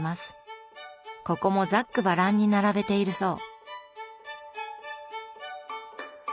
ここもざっくばらんに並べているそう。